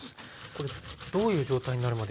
これどういう状態になるまでやる？